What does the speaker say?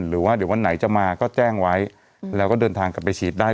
หรือว่าเดี๋ยววันไหนจะมาก็แจ้งไว้แล้วก็เดินทางกลับไปฉีดได้